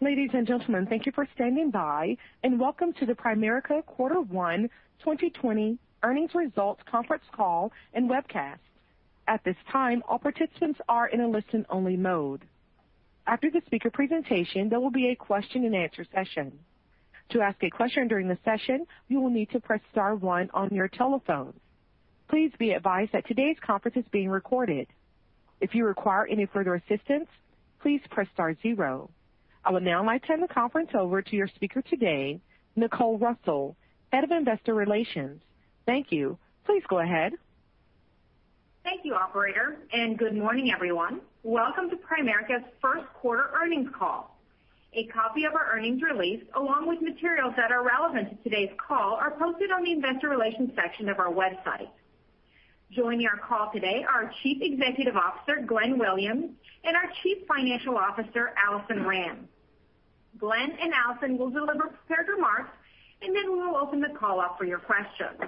Ladies and gentlemen, thank you for standing by. Welcome to the Primerica quarter one 2020 earnings results conference call and webcast. At this time, all participants are in a listen-only mode. After the speaker presentation, there will be a question and answer session. To ask a question during the session, you will need to press star one on your telephone. Please be advised that today's conference is being recorded. If you require any further assistance, please press star zero. I would now like to turn the conference over to your speaker today, Nicole Russell, Head of Investor Relations. Thank you. Please go ahead. Thank you, operator. Good morning, everyone. Welcome to Primerica's first quarter earnings call. A copy of our earnings release, along with materials that are relevant to today's call, are posted on the investor relations section of our website. Joining our call today are Chief Executive Officer Glenn Williams and our Chief Financial Officer Alison Rand. Glenn and Alison will deliver prepared remarks, then we will open the call up for your questions.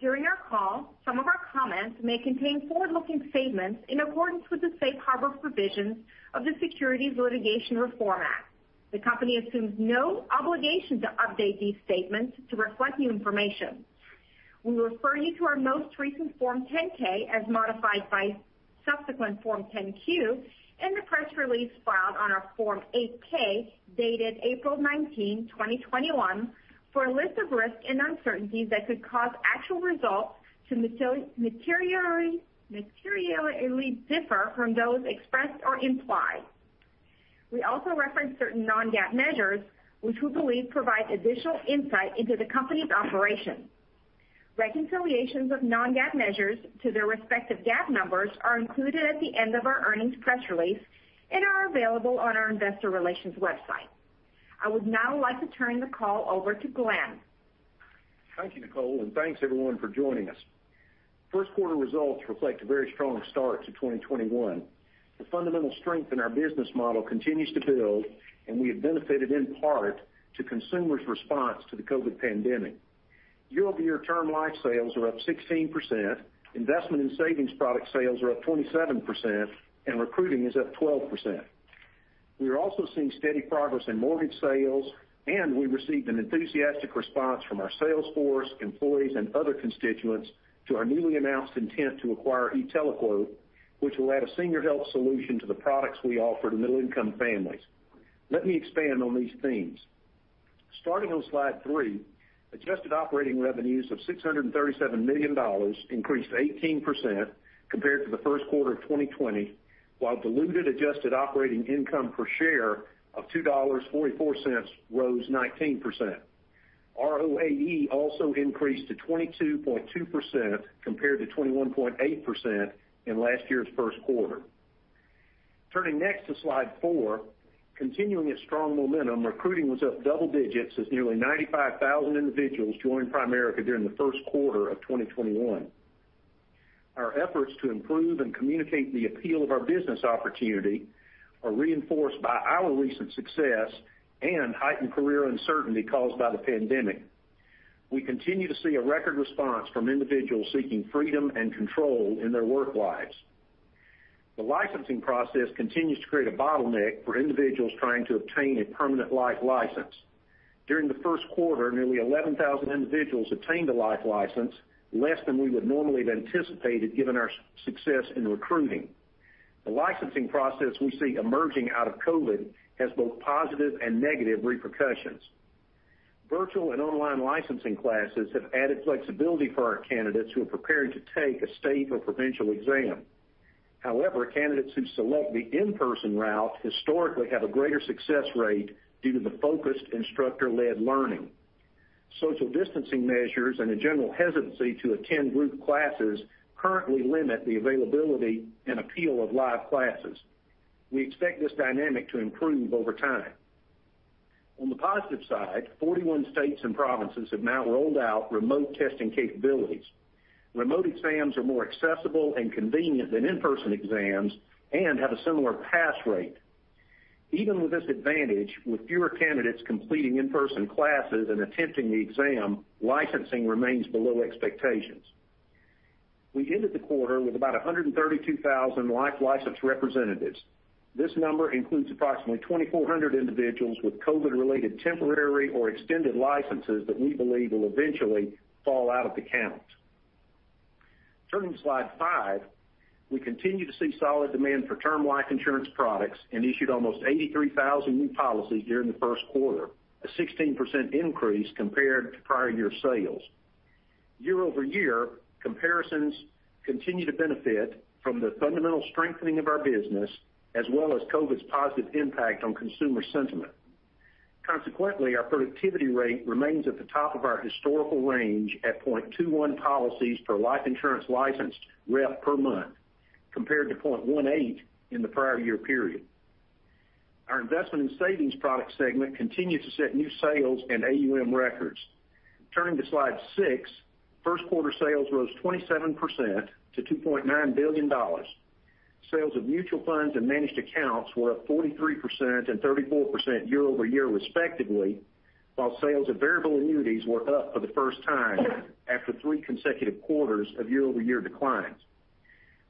During our call, some of our comments may contain forward-looking statements in accordance with the safe harbor provisions of the Securities Litigation Reform Act. The company assumes no obligation to update these statements to reflect new information. We refer you to our most recent Form 10-K, as modified by subsequent Form 10-Q and the press release filed on our Form 8-K, dated April 19, 2021, for a list of risks and uncertainties that could cause actual results to materially differ from those expressed or implied. We also reference certain non-GAAP measures, which we believe provide additional insight into the company's operations. Reconciliations of non-GAAP measures to their respective GAAP numbers are included at the end of our earnings press release and are available on our investor relations website. I would now like to turn the call over to Glenn. Thank you, Nicole. Thanks, everyone, for joining us. First quarter results reflect a very strong start to 2021. The fundamental strength in our business model continues to build, and we have benefited in part to consumers' response to the COVID pandemic. Year-over-year Term Life sales are up 16%, investment and savings product sales are up 27%, and recruiting is up 12%. We are also seeing steady progress in mortgage sales, and we received an enthusiastic response from our sales force, employees, and other constituents to our newly announced intent to acquire e-TeleQuote, which will add a senior health solution to the products we offer to middle-income families. Let me expand on these themes. Starting on slide three, adjusted operating revenues of $637 million increased 18% compared to the first quarter of 2020, while diluted adjusted operating income per share of $2.44 rose 19%. ROAE also increased to 22.2% compared to 21.8% in last year's first quarter. Turning next to slide four, continuing its strong momentum, recruiting was up double digits as nearly 95,000 individuals joined Primerica during the first quarter of 2021. Our efforts to improve and communicate the appeal of our business opportunity are reinforced by our recent success and heightened career uncertainty caused by the pandemic. We continue to see a record response from individuals seeking freedom and control in their work lives. The licensing process continues to create a bottleneck for individuals trying to obtain a permanent life license. During the first quarter, nearly 11,000 individuals obtained a life license, less than we would normally have anticipated given our success in recruiting. The licensing process we see emerging out of COVID has both positive and negative repercussions. Virtual and online licensing classes have added flexibility for our candidates who are preparing to take a state or provincial exam. However, candidates who select the in-person route historically have a greater success rate due to the focused instructor-led learning. Social distancing measures and a general hesitancy to attend group classes currently limit the availability and appeal of live classes. We expect this dynamic to improve over time. On the positive side, 41 states and provinces have now rolled out remote testing capabilities. Remote exams are more accessible and convenient than in-person exams and have a similar pass rate. Even with this advantage, with fewer candidates completing in-person classes and attempting the exam, licensing remains below expectations. We ended the quarter with about 132,000 life license representatives. This number includes approximately 2,400 individuals with COVID-related temporary or extended licenses that we believe will eventually fall out of the count. Turning to slide five, we continue to see solid demand for Term Life insurance products and issued almost 83,000 new policies during the first quarter, a 16% increase compared to prior year sales. Year-over-year, comparisons continue to benefit from the fundamental strengthening of our business as well as COVID's positive impact on consumer sentiment. Consequently, our productivity rate remains at the top of our historical range at 0.21 policies per life insurance licensed rep per month, compared to 0.18 in the prior year period. Our investment and savings product segment continued to set new sales and AUM records. Turning to slide six, first quarter sales rose 27% to $2.9 billion. Sales of mutual funds and managed accounts were up 43% and 34% year-over-year respectively, while sales of variable annuities were up for the first time after three consecutive quarters of year-over-year declines.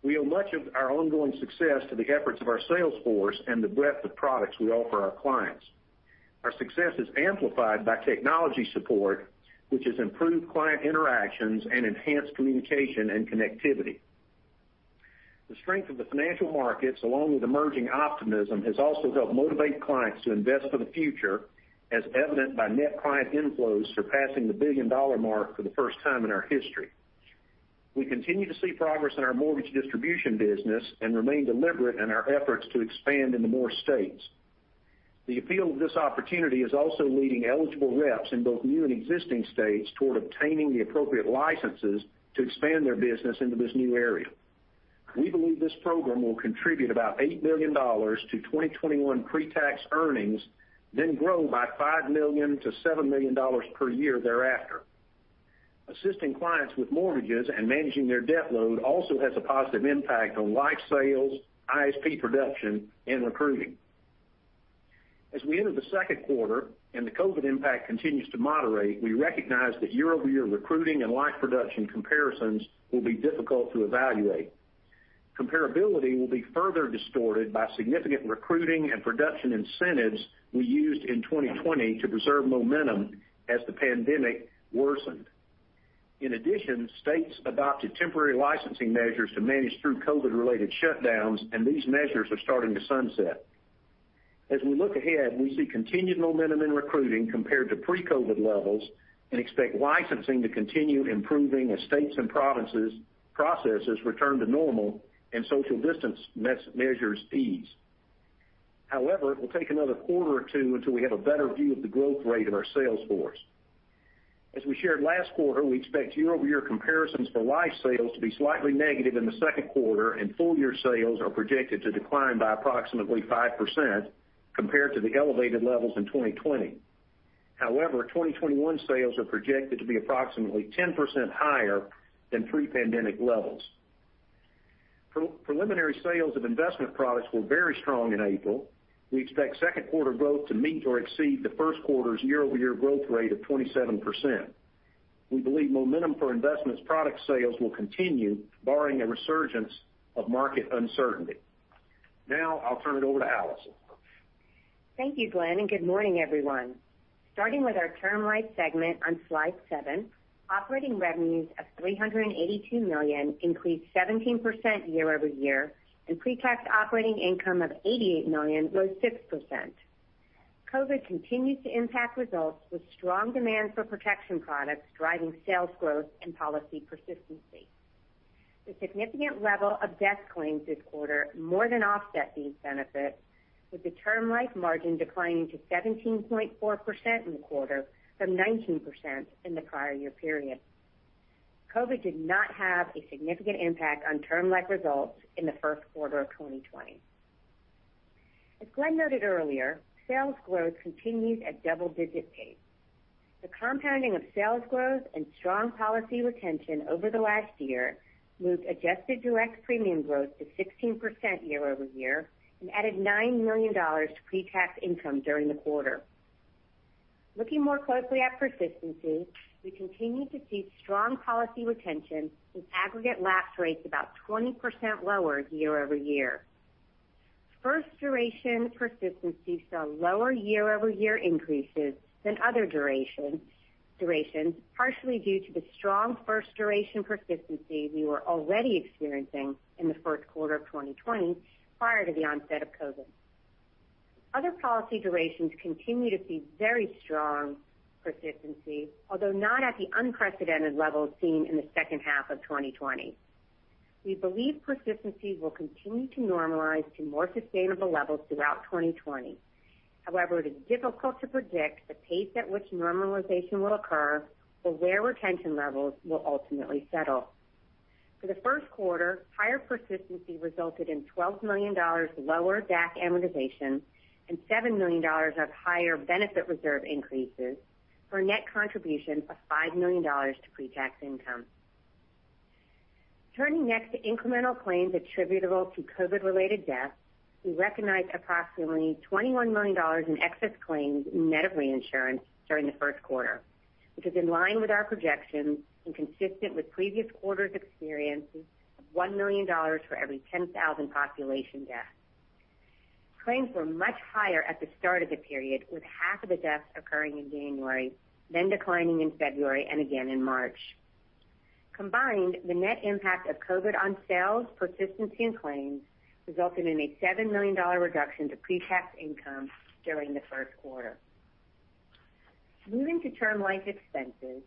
We owe much of our ongoing success to the efforts of our sales force and the breadth of products we offer our clients. Our success is amplified by technology support, which has improved client interactions and enhanced communication and connectivity. The strength of the financial markets, along with emerging optimism, has also helped motivate clients to invest for the future, as evident by net client inflows surpassing the billion-dollar mark for the first time in our history. We continue to see progress in our mortgage distribution business and remain deliberate in our efforts to expand into more states. The appeal of this opportunity is also leading eligible reps in both new and existing states toward obtaining the appropriate licenses to expand their business into this new area. We believe this program will contribute about $8 million to 2021 pre-tax earnings, then grow by $5 million to $7 million per year thereafter. Assisting clients with mortgages and managing their debt load also has a positive impact on life sales, ISP production, and recruiting. As we enter the second quarter and the COVID impact continues to moderate, we recognize that year-over-year recruiting and life production comparisons will be difficult to evaluate. Comparability will be further distorted by significant recruiting and production incentives we used in 2020 to preserve momentum as the pandemic worsened. In addition, states adopted temporary licensing measures to manage through COVID-related shutdowns, and these measures are starting to sunset. As we look ahead, we see continued momentum in recruiting compared to pre-COVID levels and expect licensing to continue improving as states and provinces processes return to normal and social distance measures ease. It will take another quarter or two until we have a better view of the growth rate of our sales force. As we shared last quarter, we expect year-over-year comparisons for life sales to be slightly negative in the second quarter, and full-year sales are projected to decline by approximately 5% compared to the elevated levels in 2020. 2021 sales are projected to be approximately 10% higher than pre-pandemic levels. Preliminary sales of investment products were very strong in April. We expect second quarter growth to meet or exceed the first quarter's year-over-year growth rate of 27%. We believe momentum for investments product sales will continue, barring a resurgence of market uncertainty. Now I'll turn it over to Alison. Thank you, Glenn, and good morning, everyone. Starting with our Term Life segment on Slide seven, operating revenues of $382 million increased 17% year-over-year, and pre-tax operating income of $88 million rose 6%. COVID continues to impact results with strong demand for protection products driving sales growth and policy persistency. The significant level of death claims this quarter more than offset these benefits, with the Term Life margin declining to 17.4% in the quarter from 19% in the prior year period. COVID did not have a significant impact on Term Life results in the first quarter of 2020. As Glenn noted earlier, sales growth continues at double-digit pace. The compounding of sales growth and strong policy retention over the last year moved adjusted direct premium growth to 16% year-over-year and added $9 million to pre-tax income during the quarter. Looking more closely at persistency, we continue to see strong policy retention with aggregate lapse rates about 20% lower year-over-year. First duration persistency saw lower year-over-year increases than other durations, partially due to the strong first duration persistency we were already experiencing in the first quarter of 2020 prior to the onset of COVID. Other policy durations continue to see very strong persistency, although not at the unprecedented levels seen in the second half of 2020. We believe persistency will continue to normalize to more sustainable levels throughout 2020. It is difficult to predict the pace at which normalization will occur or where retention levels will ultimately settle. For the first quarter, higher persistency resulted in $12 million lower DAC amortization and $7 million of higher benefit reserve increases for a net contribution of $5 million to pre-tax income. Turning next to incremental claims attributable to COVID-related deaths, we recognized approximately $21 million in excess claims net of reinsurance during the first quarter, which is in line with our projections and consistent with previous quarters' experiences of $1 million for every 10,000 population deaths. Claims were much higher at the start of the period, with half of the deaths occurring in January, then declining in February and again in March. Combined, the net impact of COVID on sales, persistency, and claims resulted in a $7 million reduction to pre-tax income during the first quarter. Moving to Term Life expenses,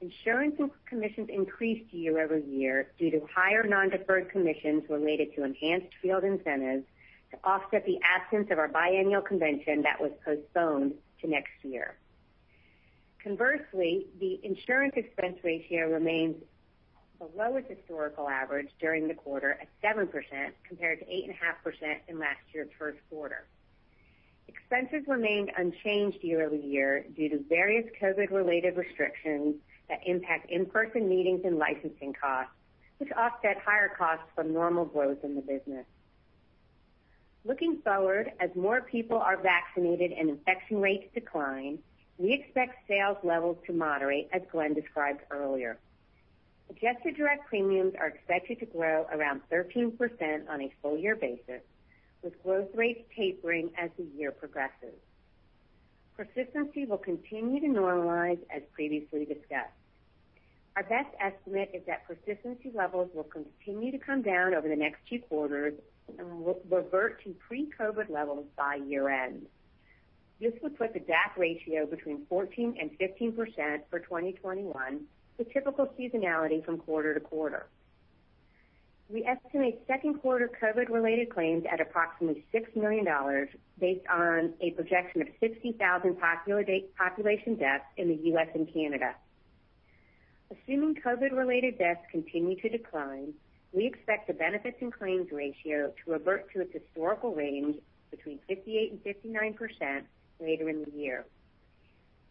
insurance commissions increased year-over-year due to higher non-deferred commissions related to enhanced field incentives to offset the absence of our biennial convention that was postponed to next year. Conversely, the insurance expense ratio remains the lowest historical average during the quarter at 7%, compared to 8.5% in last year's first quarter. Expenses remained unchanged year-over-year due to various COVID-related restrictions that impact in-person meetings and licensing costs, which offset higher costs from normal growth in the business. Looking forward, as more people are vaccinated and infection rates decline, we expect sales levels to moderate, as Glenn described earlier. Adjusted Direct Premiums are expected to grow around 13% on a full-year basis, with growth rates tapering as the year progresses. Persistency will continue to normalize as previously discussed. Our best estimate is that persistency levels will continue to come down over the next few quarters and will revert to pre-COVID levels by year-end. This would put the DAC ratio between 14% and 15% for 2021, with typical seasonality from quarter-to-quarter. We estimate second quarter COVID-related claims at approximately $6 million based on a projection of 60,000 population deaths in the U.S. and Canada. Assuming COVID-related deaths continue to decline, we expect the benefits and claims ratio to revert to its historical range between 58% and 59% later in the year.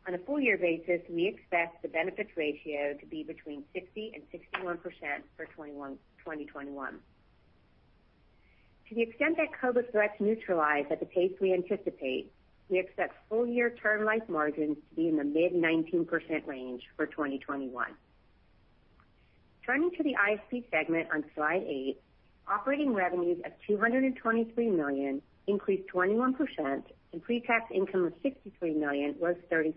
On a full-year basis, we expect the benefits ratio to be between 60% and 61% for 2021. To the extent that COVID threats neutralize at the pace we anticipate, we expect full-year Term Life margins to be in the mid-19% range for 2021. Turning to the ISP segment on slide eight, operating revenues of $223 million increased 21%, and pre-tax income of $63 million was 33%.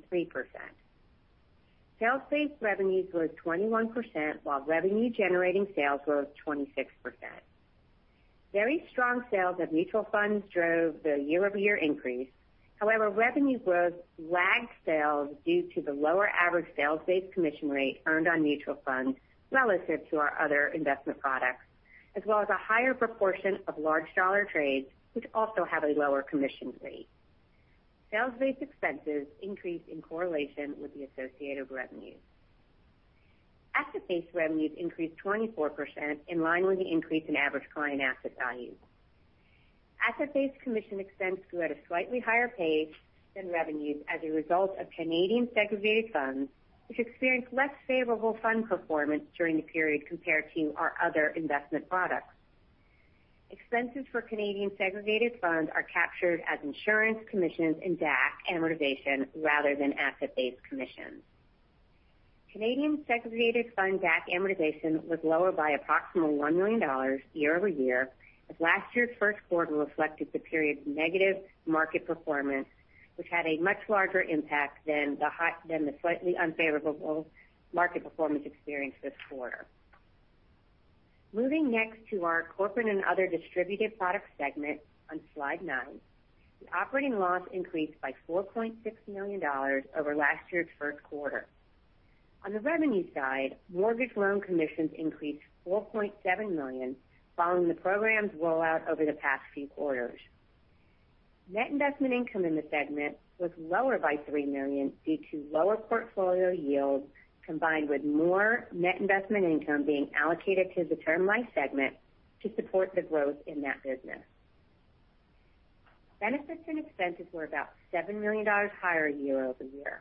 Sales-based revenues grew 21%, while revenue-generating sales grew 26%. Very strong sales of mutual funds drove the year-over-year increase. However, revenue growth lagged sales due to the lower average sales-based commission rate earned on mutual funds relative to our other investment products, as well as a higher proportion of large dollar trades, which also have a lower commission rate. Sales-based expenses increased in correlation with the associated revenue. Asset-based revenues increased 24%, in line with the increase in average client asset value. Asset-based commission expense grew at a slightly higher pace than revenues as a result of Canadian segregated funds, which experienced less favorable fund performance during the period compared to our other investment products. Expenses for Canadian segregated funds are captured as insurance commissions and DAC amortization rather than asset-based commissions. Canadian segregated fund DAC amortization was lower by approximately $1 million year-over-year, as last year's first quarter reflected the period's negative market performance, which had a much larger impact than the slightly unfavorable market performance experienced this quarter. Moving next to our Corporate and Other Distributed Products segment on slide nine, the operating loss increased by $4.6 million over last year's first quarter. On the revenue side, mortgage loan commissions increased to $4.7 million following the program's rollout over the past few quarters. Net investment income in the segment was lower by $3 million due to lower portfolio yields, combined with more net investment income being allocated to the Term Life segment to support the growth in that business. Benefits and expenses were about $7 million higher year-over-year.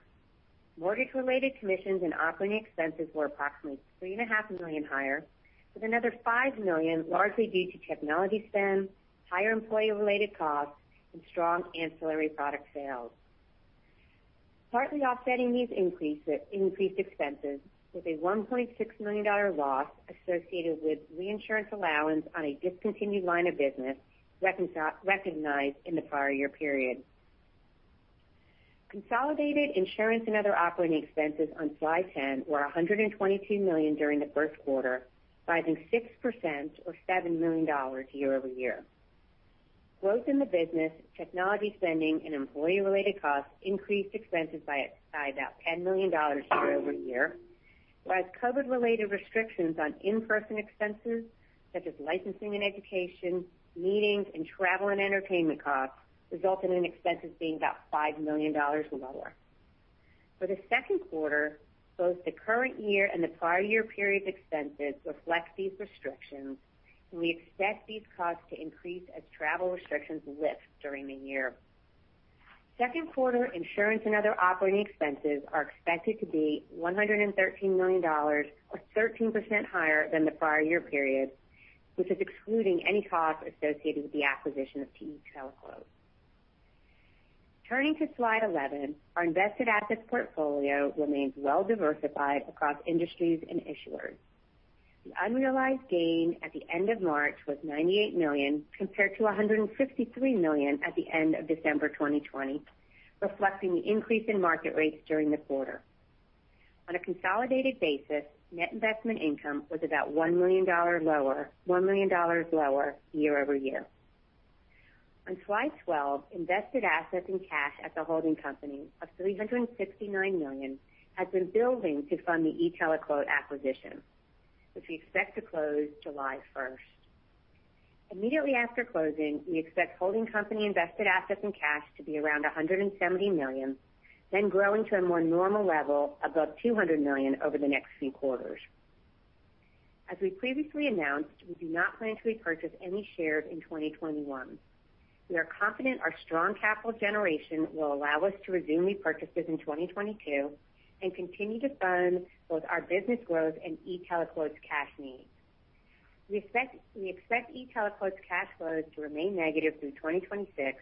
Mortgage-related commissions and operating expenses were approximately $3.5 million higher, with another $5 million largely due to technology spend, higher employee-related costs, and strong ancillary product sales. Partly offsetting these increased expenses was a $1.6 million loss associated with reinsurance allowance on a discontinued line of business recognized in the prior year period. Consolidated insurance and other operating expenses on slide 10 were $122 million during the first quarter, rising 6% or $7 million year-over-year. Growth in the business, technology spending, and employee-related costs increased expenses by about $10 million year-over-year, whereas COVID-related restrictions on in-person expenses such as licensing and education, meetings, and travel and entertainment costs resulted in expenses being about $5 million lower. For the second quarter, both the current year and the prior year period's expenses reflect these restrictions, and we expect these costs to increase as travel restrictions lift during the year. Second quarter insurance and other operating expenses are expected to be $113 million, or 13% higher than the prior year period, which is excluding any costs associated with the acquisition of e-TeleQuote. Turning to slide 11, our invested assets portfolio remains well-diversified across industries and issuers. The unrealized gain at the end of March was $98 million, compared to $153 million at the end of December 2020, reflecting the increase in market rates during the quarter. On a consolidated basis, net investment income was about $1 million lower year-over-year. On slide 12, invested assets and cash at the holding company of $369 million has been building to fund the e-TeleQuote acquisition, which we expect to close July 1st. Immediately after closing, we expect holding company invested assets and cash to be around $170 million, then growing to a more normal level above $200 million over the next few quarters. As we previously announced, we do not plan to repurchase any shares in 2021. We are confident our strong capital generation will allow us to resume repurchases in 2022 and continue to fund both our business growth and e-TeleQuote's cash needs. We expect e-TeleQuote's cash flows to remain negative through 2026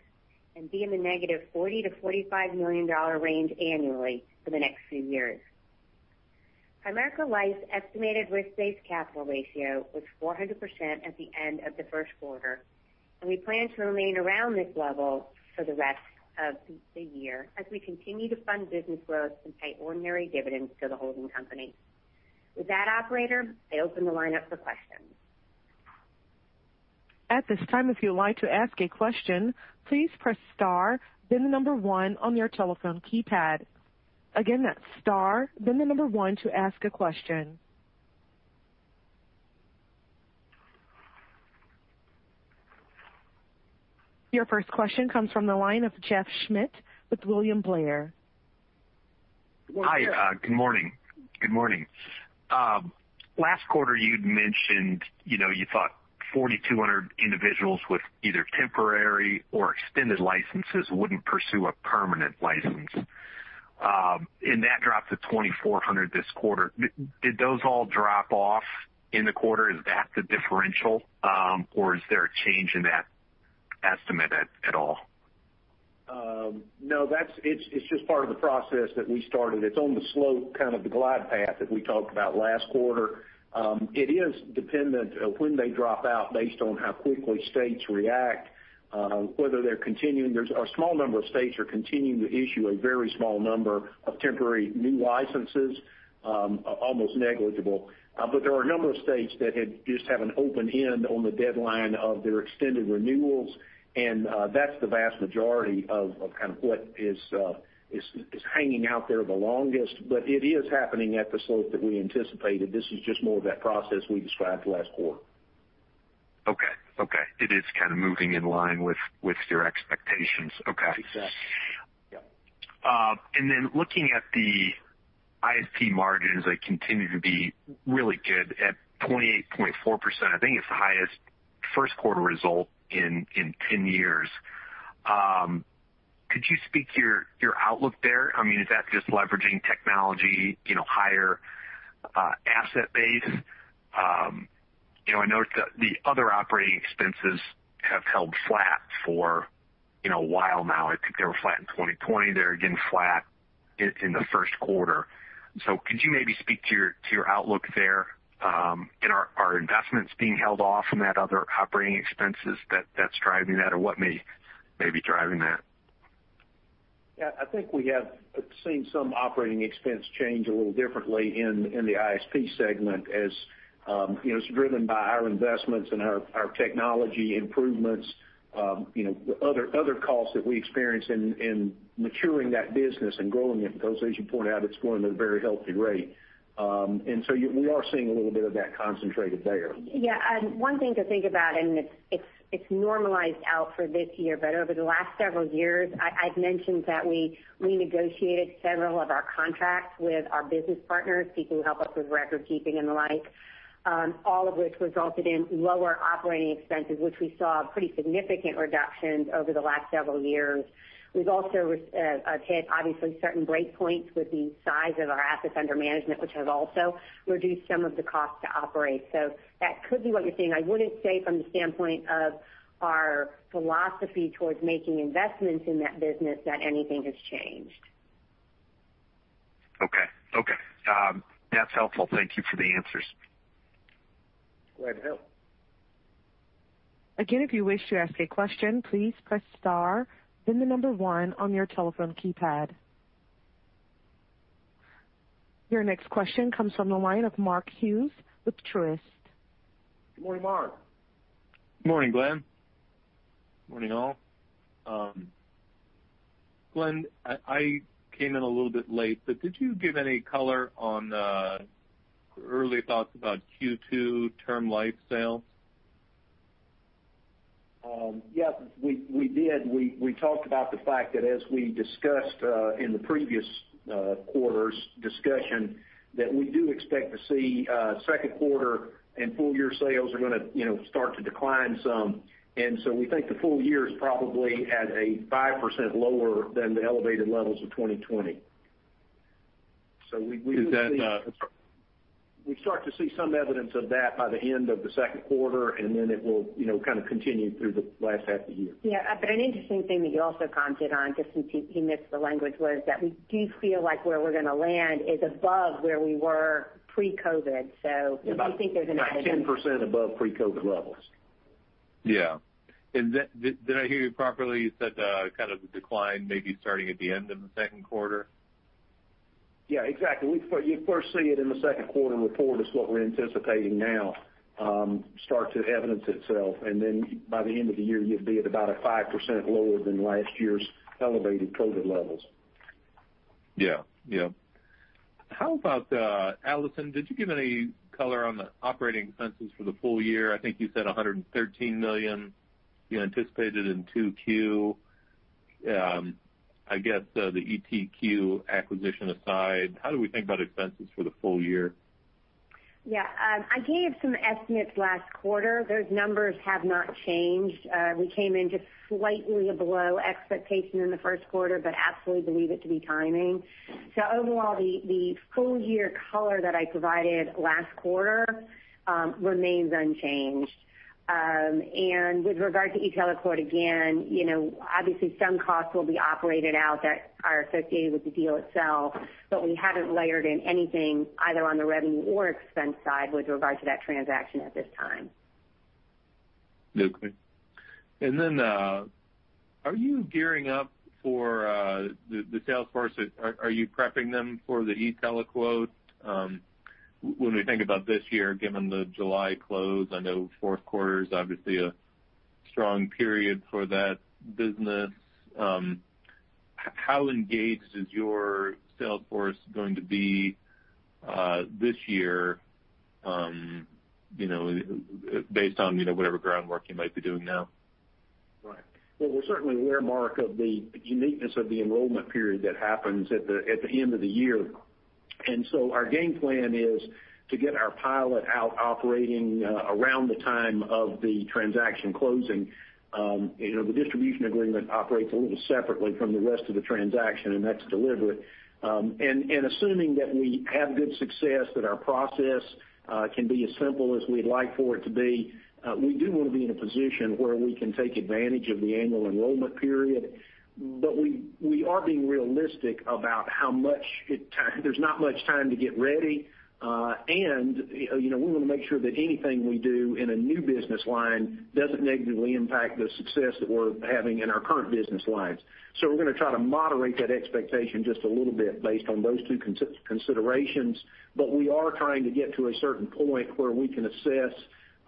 and be in the negative $40 million-$45 million range annually for the next few years. Primerica Life's estimated risk-based capital ratio was 400% at the end of the first quarter, and we plan to remain around this level for the rest of the year as we continue to fund business growth and pay ordinary dividends to the holding company. With that operator, I open the line up for questions. At this time, if you'd like to ask a question, please press star then the number 1 on your telephone keypad. Again, that's star then the number 1 to ask a question. Your first question comes from the line of Jeff Schmitt with William Blair. Hi. Good morning. Last quarter you'd mentioned you thought 4,200 individuals with either temporary or extended licenses wouldn't pursue a permanent license. That dropped to 2,400 this quarter. Did those all drop off in the quarter? Is that the differential? Is there a change in that estimate at all? No, it's just part of the process that we started. It's on the slope, kind of the glide path that we talked about last quarter. It is dependent on when they drop out based on how quickly states react, whether they're continuing. A small number of states are continuing to issue a very small number of temporary new licenses, almost negligible. There are a number of states that just have an open end on the deadline of their extended renewals, and that's the vast majority of kind of what is hanging out there the longest. It is happening at the slope that we anticipated. This is just more of that process we described last quarter. Okay. It is kind of moving in line with your expectations, okay. Exactly. Yep. Looking at the ISP margins, they continue to be really good at 28.4%. I think it's the highest first quarter result in 10 years. Could you speak your outlook there? Is that just leveraging technology, higher asset base? I noticed that the other operating expenses have held flat for a while now. I think they were flat in 2020. They're again flat in the first quarter. Could you maybe speak to your outlook there? Are investments being held off from that other operating expenses that's driving that or what may be driving that? I think we have seen some operating expense change a little differently in the ISP segment as it's driven by our investments and our technology improvements. Other costs that we experience in maturing that business and growing it, because as you point out, it's growing at a very healthy rate. We are seeing a little bit of that concentrated there. One thing to think about, and it's normalized out for this year, but over the last several years, I've mentioned that we negotiated several of our contracts with our business partners, people who help us with record keeping and the like, all of which resulted in lower operating expenses, which we saw pretty significant reductions over the last several years. We've also hit, obviously, certain break points with the size of our assets under management, which has also reduced some of the cost to operate. That could be what you're seeing. I wouldn't say from the standpoint of our philosophy towards making investments in that business, that anything has changed. Okay. That's helpful. Thank you for the answers. Glad to help. If you wish to ask a question, please press star then the number one on your telephone keypad. Your next question comes from the line of Mark Hughes with Truist. Good morning, Mark. Morning, Glenn. Morning, Al. Glenn, I came in a little bit late, but did you give any color on early thoughts about Q2 Term Life sales? Yes, we did. We talked about the fact that as we discussed in the previous quarter's discussion, that we do expect to see second quarter and full year sales are going to start to decline some. We think the full year is probably at a 5% lower than the elevated levels of 2020. Is that- We start to see some evidence of that by the end of the second quarter, and then it will kind of continue through the last half of the year. Yeah. An interesting thing that you also commented on, just in case he missed the language, was that we do feel like where we're going to land is above where we were pre-COVID. We do think there's About 10% above pre-COVID levels. Yeah. Did I hear you properly? You said the kind of the decline maybe starting at the end of the second quarter? Yeah, exactly. You first see it in the second quarter report is what we're anticipating now, start to evidence itself, and then by the end of the year, you'd be at about a 5% lower than last year's elevated COVID levels. Yeah. How about, Alison, did you give any color on the operating expenses for the full year? I think you said $113 million you anticipated in 2Q. I guess, the ETQ acquisition aside, how do we think about expenses for the full year? Yeah. I gave some estimates last quarter. Those numbers have not changed. We came in just slightly below expectation in the first quarter, but absolutely believe it to be timing. Overall, the full-year color that I provided last quarter remains unchanged. With regard to e-TeleQuote, again, obviously some costs will be operated out that are associated with the deal itself, but we haven't layered in anything either on the revenue or expense side with regard to that transaction at this time. Okay. Are you gearing up for the sales force? Are you prepping them for the e-TeleQuote? When we think about this year, given the July close, I know fourth quarter is obviously a strong period for that business. How engaged is your sales force going to be this year based on whatever groundwork you might be doing now? Right. Well, we're certainly aware, Mark, of the uniqueness of the enrollment period that happens at the end of the year. Our game plan is to get our pilot out operating around the time of the transaction closing. The distribution agreement operates a little separately from the rest of the transaction, and that's deliberate. Assuming that we have good success, that our process can be as simple as we'd like for it to be, we do want to be in a position where we can take advantage of the annual enrollment period. But we are being realistic about how much it There's not much time to get ready. We want to make sure that anything we do in a new business line doesn't negatively impact the success that we're having in our current business lines. We're going to try to moderate that expectation just a little bit based on those two considerations. We are trying to get to a certain point where we can assess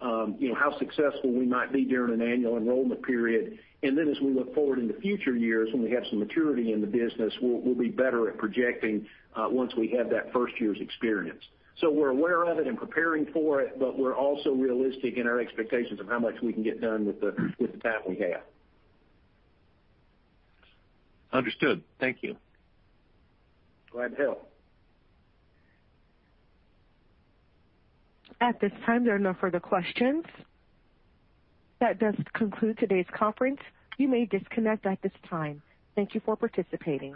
how successful we might be during an annual enrollment period. As we look forward into future years, when we have some maturity in the business, we'll be better at projecting once we have that first year's experience. We're aware of it and preparing for it, but we're also realistic in our expectations of how much we can get done with the time we have. Understood. Thank you. Glad to help. At this time, there are no further questions. That does conclude today's conference. You may disconnect at this time. Thank you for participating.